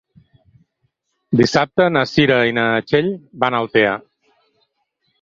Dissabte na Cira i na Txell van a Altea.